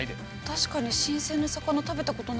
確かに新鮮な魚食べたことない。